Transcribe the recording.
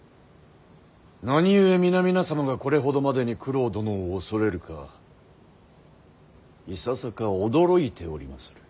何故皆々様がこれほどまでに九郎殿を恐れるかいささか驚いておりまする。